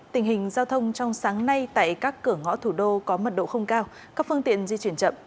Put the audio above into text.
tình hình giao thông trong sáng nay tại các cửa ngõ thủ đô có mật độ không cao các phương tiện di chuyển chậm